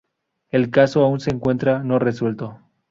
El caso aún se encuentra no resuelto.